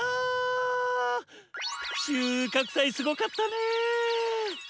収穫祭すごかったね！